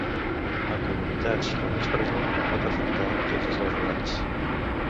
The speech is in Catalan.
En comunitats on és present pot afectar totes les edats.